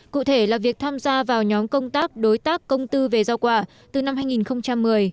cụ thể là việc tham gia vào nhóm công tác đối tác công tư về giao quả từ năm hai nghìn một mươi